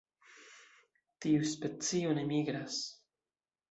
Tiu specio ne migras.